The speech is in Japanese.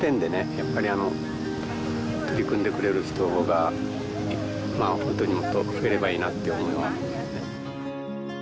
やっぱり取り組んでくれる人が本当にもっと増えればいいなという思いは。